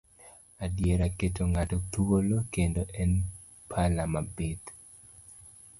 Adiera keto ng'ato thuolo, kendo en pala mabith.